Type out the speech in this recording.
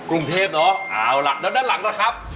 กรุงเทพเนาะเอาล่ะแล้วด้านหลังนะครับ